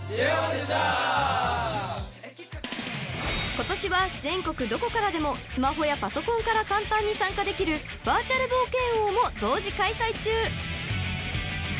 ［ことしは全国どこからでもスマホやパソコンから簡単に参加できるバーチャル冒険王も同時開催中］